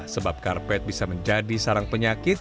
sebab karpet bisa menjadi sarang penyakit